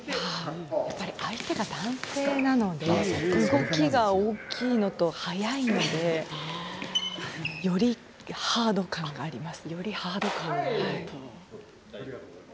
相手が男性なので動きが速いのでよりハード感があります。